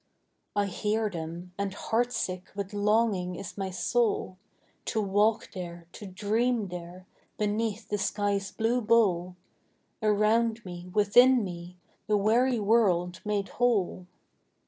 I hear them; and heartsick with longing is my soul, To walk there, to dream there, beneath the sky's blue bowl; Around me, within me, the weary world made whole.